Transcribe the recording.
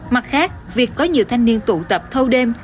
mặt khác việc có nhiều thanh niên tụ tập thâu đêm